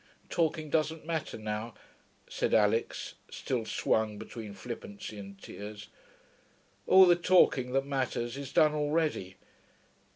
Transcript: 'Talking doesn't matter now,' said Alix, still swung between flippancy and tears. 'All the talking that matters is done already....